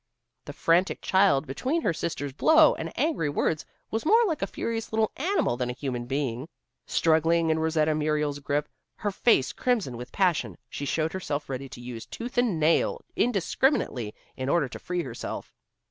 The frantic child, between her sister's blows and angry words, was more like a furious little animal than a human being. Struggling in Rosetta Muriel's grip, her face crimson with passion, she showed herself ready to use tooth and nail indiscriminately in order to free herself.